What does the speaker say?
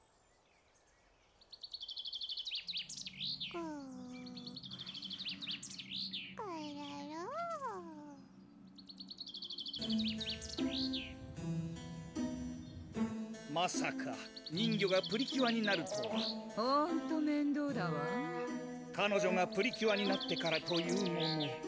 うぅくくるるんまさか人魚がプリキュアになるとはほんと面倒だわ彼女がプリキュアになってからというもの